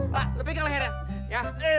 pak lu pegang lehernya